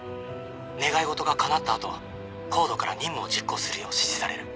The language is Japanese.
願いごとが叶った後ＣＯＤＥから任務を実行するよう指示される。